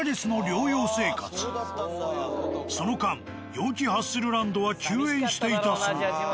その間陽気ハッスルランドは休園していたそう。